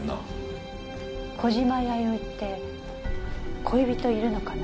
小島弥生って恋人いるのかな？